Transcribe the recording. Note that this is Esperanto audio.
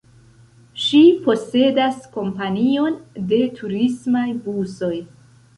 Ŝi posedas kompanion de turismaj busoj.